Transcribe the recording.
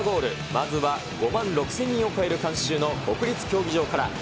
まずは５万６０００人を超える観衆の国立競技場から。